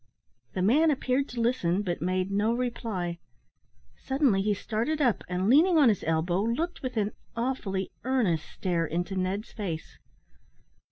The man appeared to listen, but made no reply. Suddenly he started up, and, leaning on his elbow, looked with an awfully earnest stare into Ned's face.